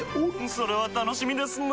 それは楽しみですなぁ。